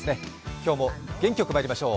今日も元気よくまいりましょう。